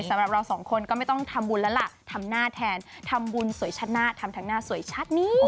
สำหรับเราสองคนก็ไม่ต้องทำบุญแล้วล่ะทำหน้าแทนทำบุญสวยชาติหน้าทำทางหน้าสวยชาตินี้